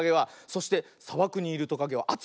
そしてさばくにいるトカゲはあついよ。